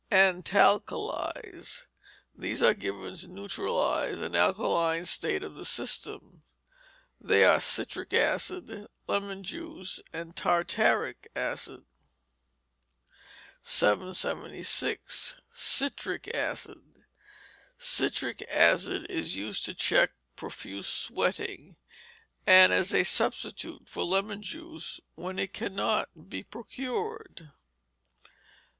Antalkalies. These are given to neutralize an alkaline state of the system. They are citric acid, lemon juice, and tartaric acid. 776. Citric Acid Citric Acid is used to check profuse sweating, and as a substitute for lemon juice when it cannot be procured.